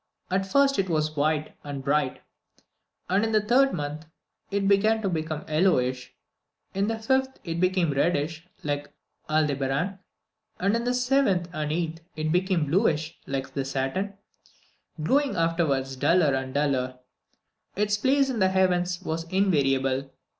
At first it was white and bright; in the third month it began to become yellowish; in the fifth it became reddish like Aldebaran; and in the seventh and eighth it became bluish like Saturn; growing afterwards duller and duller. Its place in the heavens was invariable.